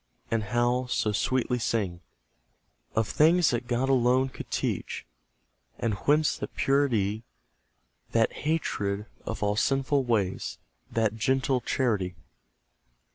And how so sweetly sing, Of things that God alone could teach? And whence that purity, That hatred of all sinful ways That gentle charity?